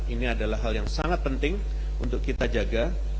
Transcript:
ini adalah hal yang sangat penting untuk kita jaga